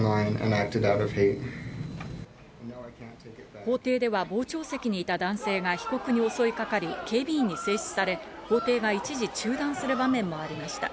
法廷では傍聴席にいた男性が被告に襲いかかり、警備員に制止され、法廷が一時中断する場面もありました。